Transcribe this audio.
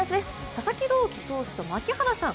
佐々木朗希投手と槙原さん